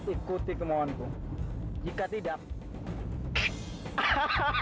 ikuti kemauanku jika tidak